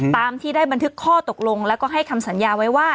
ตามที่ได้บันทึกข้อตกลงแล้วก็ให้คำสัญญาไว้ว่า